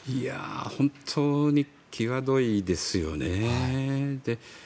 本当に際どいですよね。